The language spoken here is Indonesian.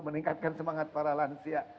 meningkatkan semangat para lansia